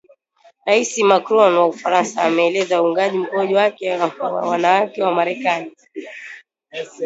Rais Macron wa Ufaransa ameeleza uungaji mkono wake na wanawake wa Marekani